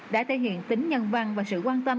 đã thể hiện tính nhân văn và sự quan tâm